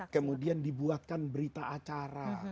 kemudian dibuatkan berita acara